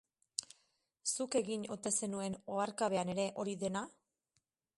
Zuk egin ote zenuen, oharkabean ere, hori dena?